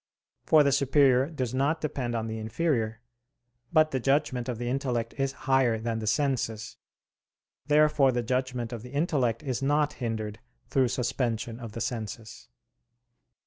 For the superior does not depend on the inferior. But the judgment of the intellect is higher than the senses. Therefore the judgment of the intellect is not hindered through suspension of the senses.